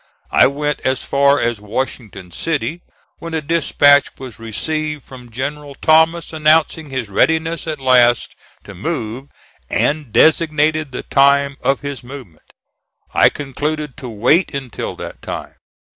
I went as far as Washington City, when a dispatch was received from General Thomas announcing his readiness at last to move, and designating the time of his movement. I concluded to wait until that time.